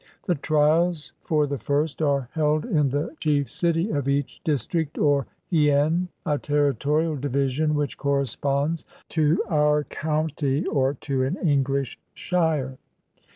The trials for the first are held in the chief city of each district or hien, a territorial division which corresponds to our county or to an Eng lish shire.